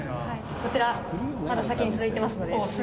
こちら、まだ先に続いてます